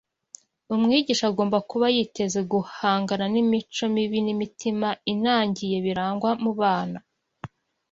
Umwigisha agomba kuba yiteze guhangana n’imico mibi n’imitima inangiye birangwa mu bana